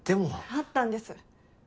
あったんです。